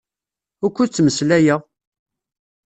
Wukkud ttmeslayeɣ?